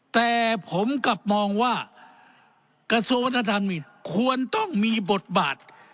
แต่ผมกลับมองว่ากระทรวงวัฒนธรรมควรต้องมีบทบาท